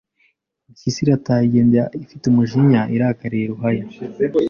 Impyisi irataha, igenda ifite umujinya, irakariye Ruhaya